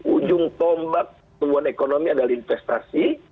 ujung tombak tumbuhan ekonomi adalah investasi